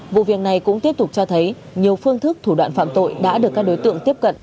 vụ việc này cũng tiếp tục cho thấy nhiều phương thức thủ đoạn phạm tội đã được các đối tượng tiếp cận